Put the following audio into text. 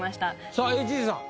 さあＨＧさん